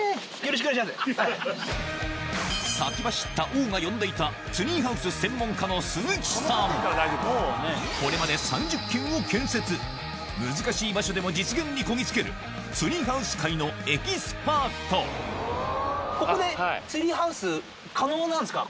先走った王が呼んでいたこれまで３０軒を建設難しい場所でも実現にこぎ着けるここでツリーハウス可能なんですか？